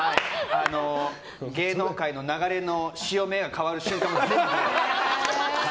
芸能界の流れの潮目が変わる瞬間は全部。